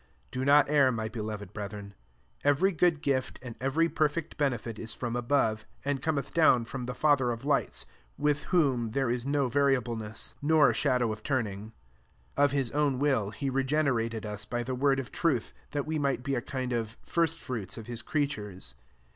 16 Do not err, my beloved brethren. 17 Every good gift, and every perfect benefit, is from above, and cometh down from the Father of lights, with whom there is no variableness, 368 JAWES IL nor shadow of turning. 18 Of his own will he regenerated us by the word of truth, that we might be a kind of first fruits qf his creatures.